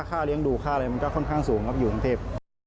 ค่าเลี้ยงดูค่าอะไรมันก็ค่อนข้างสูงครับอยู่กรุงเทพ